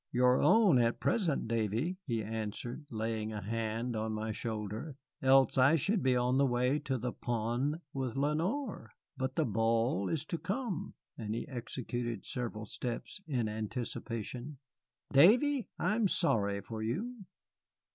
"Your own, at present, Davy," he answered, laying a hand on my shoulder, "else I should be on the way to the pon' with Lenoir. But the ball is to come," and he executed several steps in anticipation. "Davy, I am sorry for you."